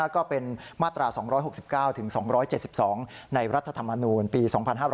ก็เป็นมาตรา๒๖๙๒๗๒ในรัฐธรรมนูลปี๒๕๕๙